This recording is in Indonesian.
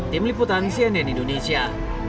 tim liputan cnn indonesia